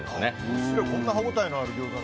こんな歯応えのあるギョーザ